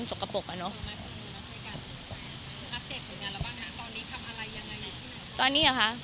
คุณมาคุณมาใช้การรับเจกต์บุญงานแล้วบ้างนะตอนนี้ทำอะไรยังไง